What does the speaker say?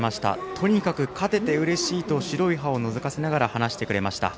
とにかく勝ててうれしいと白い歯をのぞかせながら話してくれました。